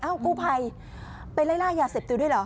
อ้าวกู้ไภไปไล่ล่ายาเสพติดด้วยเหรอ